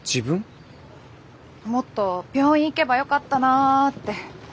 もっと病院行けばよかったなって。